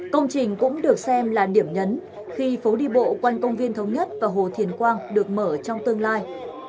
công trình cũng được xem là điểm nhấn khi phố đi bộ quanh công viên thống nhất và hồ thiền quang được mở trong tương lai